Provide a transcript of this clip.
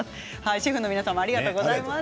シェフの皆様ありがとうございました。